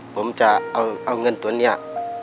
ผมจะเอาเงินการต้นเนี่ย